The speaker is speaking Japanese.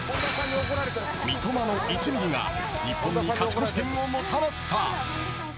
三笘の１ミリが日本に勝ち越し点をもたらした。